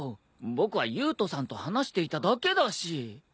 僕は優人さんと話していただけだし。